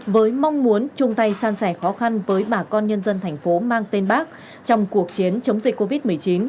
với mong muốn chung tay san sẻ khó khăn với bà con nhân dân thành phố mang tên bác trong cuộc chiến chống dịch covid một mươi chín